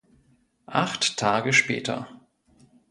Acht Tage später.